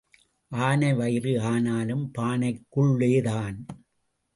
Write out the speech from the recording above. ஆனை வயிறு ஆனாலும் பானைக்குள்ளேதான்.